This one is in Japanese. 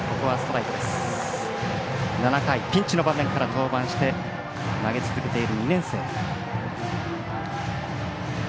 ７回、ピンチの場面から登板して投げ続けている２年生。